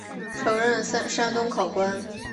曾任山东考官。